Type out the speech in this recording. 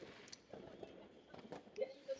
花窗玻璃上描绘了圣母显灵的场景。